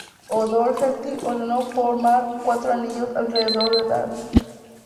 O'Doherty ordenó formar cuatro anillos alrededor del rath.